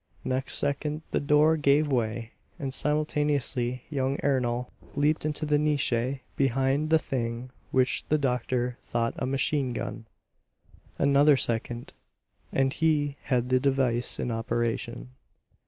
Next second the door gave way, and simultaneously young Ernol leaped into the niche behind the thing which the doctor thought a machine gun. Another second, and he had the device in operation.